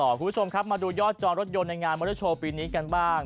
คุณผู้ชมครับมาดูยอดจองรถยนต์ในงานมอเตอร์โชว์ปีนี้กันบ้าง